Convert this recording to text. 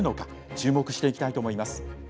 注目していきたいと思います。